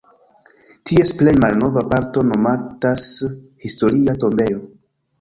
Ties plej malnova parto nomatas "Historia tombejo".